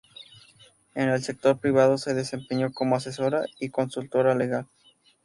En el sector privado se desempeñó como asesora y consultora legal.